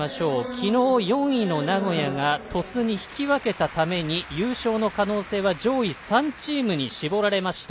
昨日、４位の名古屋が鳥栖に引き分けたために優勝の可能性は上位３チームに絞られました。